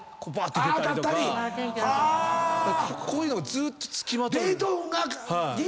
こういうのがずーっと付きまとう。